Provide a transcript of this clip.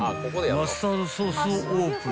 マスタードソースをオープン］